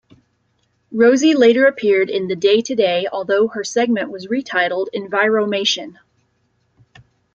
Rosy later appeared in "The Day Today", although her segment was re-titled "Enviromation.